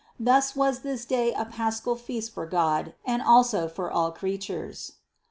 Thus was this day a paschal feast for God and also for all creatures. 221.